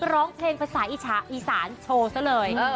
ร้องเทรนด์ภาษาอีสานโชว์ซะเลยเออ